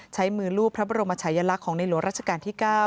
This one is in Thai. ใช้มือรูปพระบรมชายลักษณ์ของในหลวงราชการที่๙